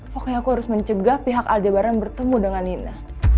pokoknya aku harus mencegah pihak aljabaran bertemu dengan nina